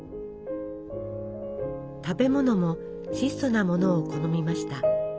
食べ物も質素なものを好みました。